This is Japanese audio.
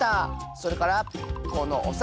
それからこのおさら！